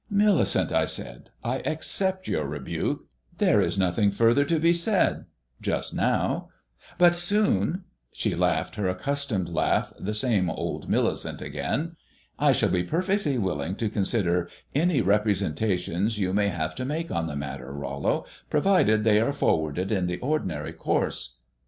"Millicent," I said, "I accept your rebuke. There is nothing further to be said just now; but soon " She laughed her accustomed laugh, the same old Millicent again. "I shall be perfectly willing to consider any representations you may have to make on the subject, Rollo, provided they are forwarded in the ordinary course.